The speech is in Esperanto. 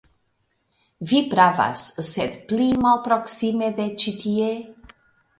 Vi pravas; sed pli malproksime de ĉi tie?